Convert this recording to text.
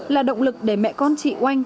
là động lực để mẹ con chị oanh